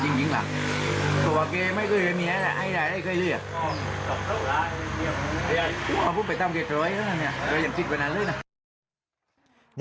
พวกมันไปตามเราก็ไม่อยากจิดไปนั้นเลยนะ